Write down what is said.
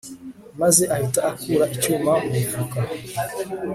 maze ahita akura icyuma mu mufuka